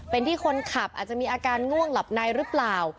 เป็นที่คนขับอาจจะมีอาการง่วงหลับในหรือเปล่า